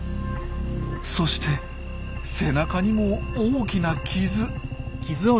そして背中にも大きな傷。